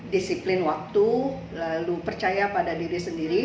disiplin waktu lalu percaya pada diri sendiri